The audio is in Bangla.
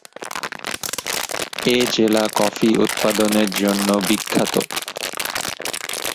এ-জেলা কফি উৎপাদনের জন্য বিখ্যাত।